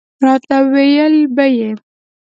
راته ویله به یې.